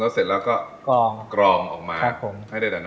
อันนี้จะเป็นน้ำงางาปั่นแล้วก็จะมีมิโซแล้วก็โชยูน้ำส้ม